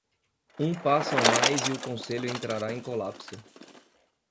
Um passo a mais e o conselho entrará em colapso.